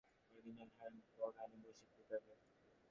প্রতিদিন যথাসময়ে বাগানে বসিত, যদি দৈবক্রমে আসে।